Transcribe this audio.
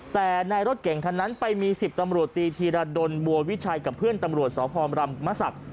แต่ในรถเก่งทั้งนั้นไปมี๑๐ตำรวจตีทีละโดนบัววิชัยกับเพื่อนตำรวจสอบคอมรำมสัก